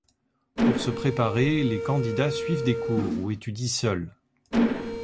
Pour se préparer, les candidats suivent des cours ou étudient seuls.